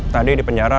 tadi di penjara